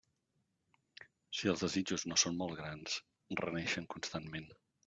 Si els desitjos no són molt grans, reneixen constantment.